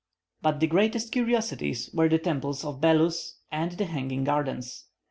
But the greatest curiosities were the temples of Belus and the hanging gardens.